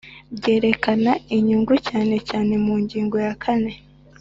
Byerekana inyungu cyane cyane mu ngingo ya kane